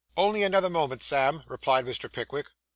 'Only another moment, Sam,' replied Mr. Pickwick.